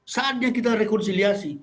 saatnya kita rekonsiliasi